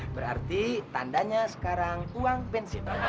berarti tandanya sekarang uang pensiun